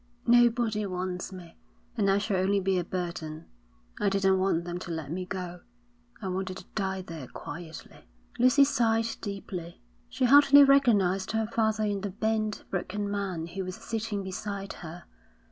Nobody wants me, and I shall only be a burden. I didn't want them to let me go. I wanted to die there quietly.' Lucy sighed deeply. She hardly recognised her father in the bent, broken man who was sitting beside her.